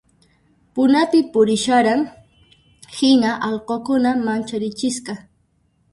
Punapi purisharan hina allqukuna mancharichisqa